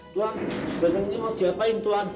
tuan bagaimana ini mau diapain tuan